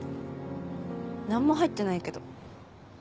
何も入ってないけど。